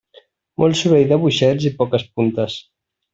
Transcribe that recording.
Molt soroll de boixets i poques puntes.